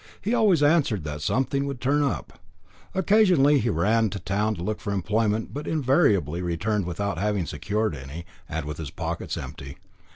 He always answered that something would turn up. Occasionally he ran to town to look for employment, but invariably returned without having secured any, and with his pockets empty.